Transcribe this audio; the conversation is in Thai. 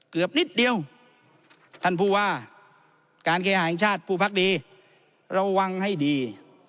เกือบนิดเดียวท่านผู้ว่าการขยายภาคผู้พักดีระวังให้ดี